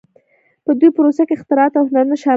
په دې پروسه کې اختراعات او هنرونه شامل دي.